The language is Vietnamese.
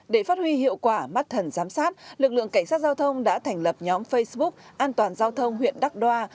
để phát huy hiệu quả mắt thần giám sát lực lượng cảnh sát giao thông đã thành lập nhóm facebook an toàn giao thông huyện đắc đoa